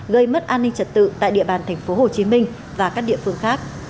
gây mất an ninh trật tự tại địa bàn tp hcm và các địa phương khác